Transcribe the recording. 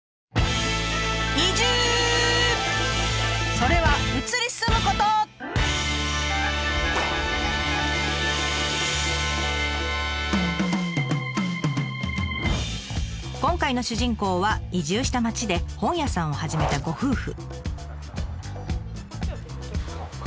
それは今回の主人公は移住した町で本屋さんを始めたご夫婦。